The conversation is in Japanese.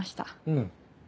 うん。